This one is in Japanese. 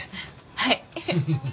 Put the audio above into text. はい。